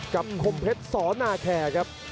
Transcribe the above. กับคมเพชรสอนาแคร์ครับ